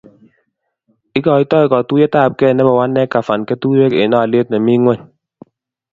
Igoitoi katuiyeyabkei nebo one acre fund keturek eng olyet nemi ngweny